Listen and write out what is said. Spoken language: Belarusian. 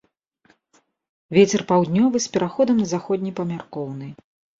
Вецер паўднёвы з пераходам на заходні памяркоўны.